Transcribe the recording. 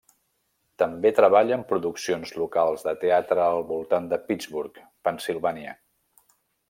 També treballa en produccions locals de teatre al voltant del Pittsburgh, Pennsilvània.